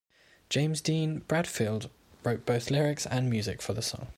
James Dean Bradfield wrote both lyrics and music for the song.